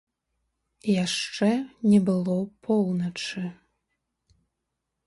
Яшчэ не было поўначы.